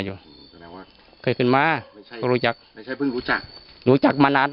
แสดงว่าเคยขึ้นมาไม่ใช่ก็รู้จักไม่ใช่เพิ่งรู้จักรู้จักมานาน